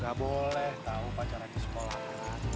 gak boleh tau pacaran di sekolahan